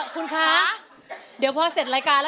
คุณคะเดี๋ยวพอเสร็จรายการแล้ว